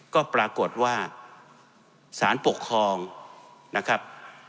ก็ปรากฏว่าสารปกครองนะครับ